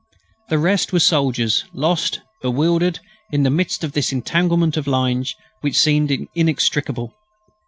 The rest were soldiers, lost, bewildered in the midst of this entanglement of lines which seemed inextricable.